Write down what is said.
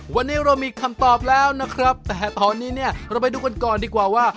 วันนี้เรามีคำตอบแล้วนะครับแต่ตอนนี้เนี่ยเราไปดูกันก่อนดีกว่าว่า